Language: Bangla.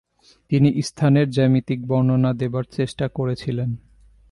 তিনি স্থানের জ্যামিতিক বর্ণনা দেবার চেষ্টা করেছিলেন।